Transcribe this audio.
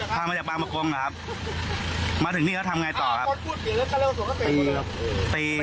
พามาจากบางประกงเหรอครับมาถึงนี่เขาทำไงต่อครับตี